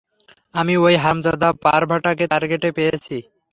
আমি ঐ হারামজাদা পার্ভাটকে টার্গেটে পেয়েছি।